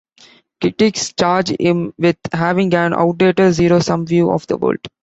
Critics charge him with having an outdated zero-sum view of the world.